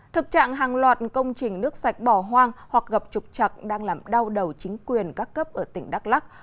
thực trạng hàng loạt công trình nước sạch bỏ hoang hoặc gập trục chặt đang làm đau đầu chính quyền các cấp ở tỉnh đắk lắc